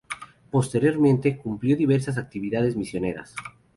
Posteriormente cumplió diversas actividades misioneras.